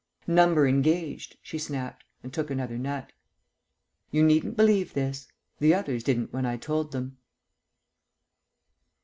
"Number engaged," she snapped, and took another nut. ..... You needn't believe this. The others didn't when I told them.